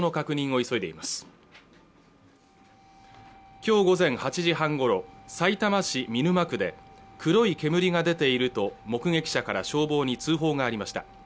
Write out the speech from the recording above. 今日午前８時半ごろさいたま市見沼区で黒い煙が出ていると目撃者から消防に通報がありました